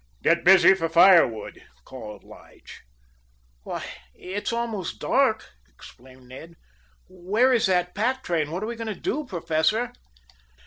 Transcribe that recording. "Get busy for firewood," called Lige. "Why, it's almost dark," exclaimed Ned. "Where is that pack train? What are we going to do, Professor?"